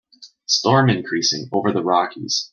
Storm increasing over the Rockies.